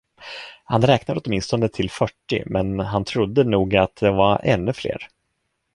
Han räknade åtminstone till fyrtio men han trodde nog att de var ännu fler.